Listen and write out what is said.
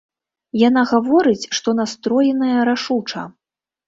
Яна гаворыць, што настроеная рашуча.